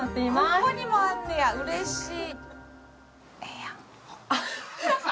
ここにもあんねや、うれしい。